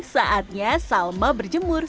saatnya salma berjemur